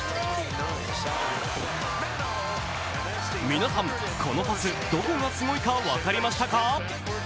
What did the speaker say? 皆さん、このパス、どこがすごいか分かりましたか？